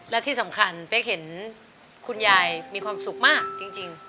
และที่สำคัญเป๊กเห็นคุณยายมีความสุขมากจริง